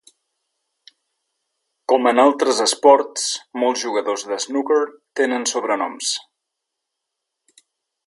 Com en altres esports, molts jugadors de snooker tenen sobrenoms.